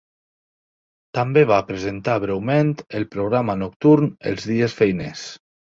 També va presentar breument el programa nocturn els dies feiners.